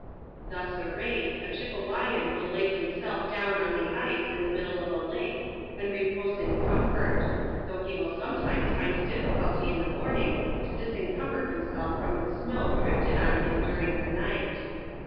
Thus arrayed, aChepewyari iv ill lay himself down on the ico in the middle of a lake, and repose in comfort; though he will sometimes find a difficulty in the morning to disencum ber himself from the snow drifted on him during the night.